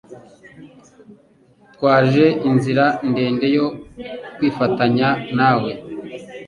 Twaje inzira ndende yo kwifatanya nawe.